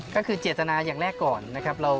ก็คือเจตนาอย่างแรกก่อนนะครับ